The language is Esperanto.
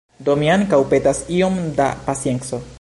Do mi ankaŭ petas iom da pacienco.